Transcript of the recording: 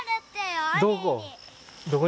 どこ？